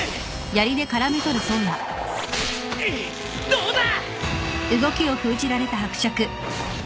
どうだ！